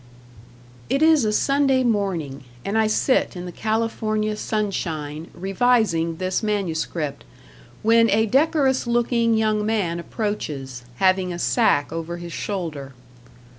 It is a Sunday morning, and I sit in the California sunshine revising this manuscript, when a decorous looking young man approaches, having a sack over his shoulder.